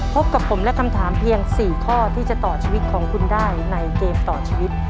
พบกับผมและคำถามเพียง๔ข้อที่จะต่อชีวิตของคุณได้ในเกมต่อชีวิต